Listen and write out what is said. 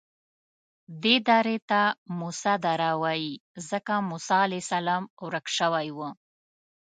دې درې ته موسی دره وایي ځکه موسی علیه السلام ورک شوی و.